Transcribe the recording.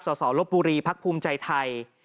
สสลบบุรีพักภูมิใจไทย